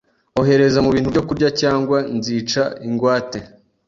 Ohereza mubintu byo kurya cyangwa nzica ingwate.